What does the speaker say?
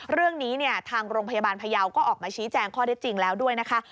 เรื่องนี้เนี่ยทางโรงพยาบาลพยาวก็ออกมาชี้แจงข้อได้จริงแล้วด้วยนะคะ